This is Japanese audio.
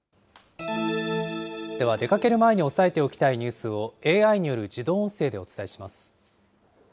では、出かける前に抑えておきたいニュースをＡＩによる自動音声でお伝えします。